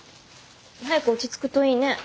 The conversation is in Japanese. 早く落ち着くといいね。